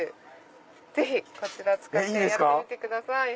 ぜひこちら使ってやってみてください。